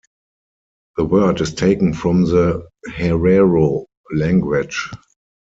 The word is taken from the Herero language.